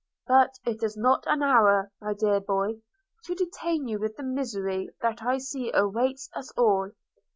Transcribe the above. But it is not an hour, my dear boy, to detain you with the misery that I see awaits us all.